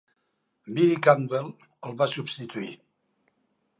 Billy Campbell el va substituir.